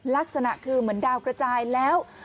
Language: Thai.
ลักษณะคือเหมือนดาวกระจายแล้ว